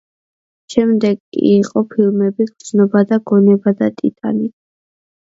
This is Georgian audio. შემდეგ იყო ფილმები „გრძნობა და გონება“ და „ტიტანიკი“.